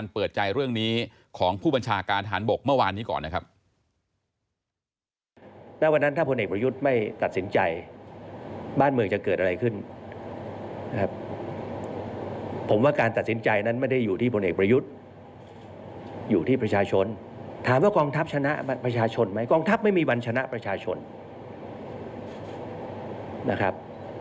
เปิดใจเรื่องนี้ของผู้บัญชาการฐานบกเมื่อวานนี้ก่อนนะครับ